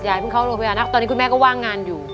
เพิ่งเข้าโรงพยาบาลนะตอนนี้คุณแม่ก็ว่างงานอยู่